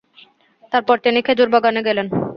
তারপর তিনি খেজুর বাগানে গেলেন।